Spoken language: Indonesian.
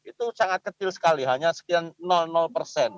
itu sangat kecil sekali hanya sekian persen